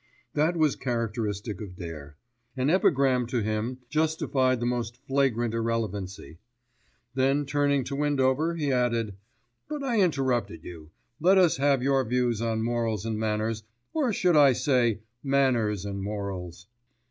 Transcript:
That was characteristic of Dare. An epigram to him justified the most flagrant irrelevancy. Then turning to Windover he added, "But I interrupted you. Let us have your views on morals and manners, or should I say manners and morals?"